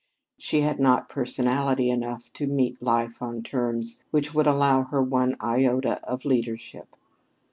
She had not personality enough to meet life on terms which would allow her one iota of leadership.